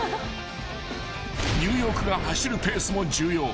［ニューヨークが走るペースも重要］